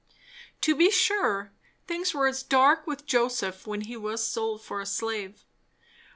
To be sure, things were as dark with Joseph when he was sold for a slave.